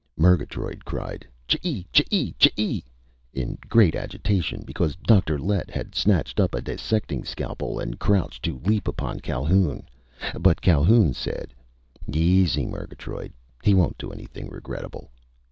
Murgatroyd cried "Chee! Chee! Chee!" in great agitation, because Dr. Lett had snatched up a dissecting scalpel and crouched to leap upon Calhoun. But Calhoun said: "Easy, Murgatroyd! He won't do anything regrettable!"